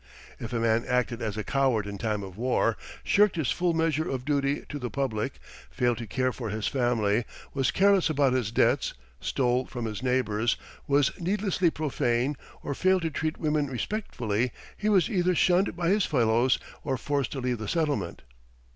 If a man acted as a coward in time of war, shirked his full measure of duty to the public, failed to care for his family, was careless about his debts, stole from his neighbors, was needlessly profane, or failed to treat women respectfully, he was either shunned by his fellows or forced to leave the settlement.